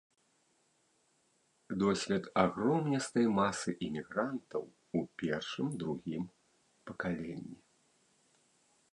Досвед агромністай масы імігрантаў у першым-другім пакаленні.